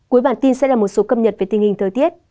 cuối bản tin sẽ là một số cập nhật về tình hình thời tiết